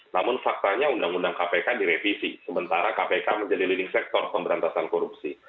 namun faktanya undang undang kpk direvisi sementara kpk menjadi leading sector pemberantasan korupsi